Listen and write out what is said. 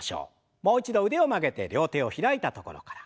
もう一度腕を曲げて両手を開いたところから。